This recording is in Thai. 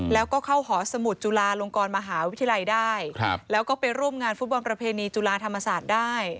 แล้วก็เข้าหอสมุทรจุฬาลงกรมหาวิทยาลัยได้แล้วก็ไปร่วมงานฟุตบอลประเพณีจุฬาธรรมศาสตร์ได้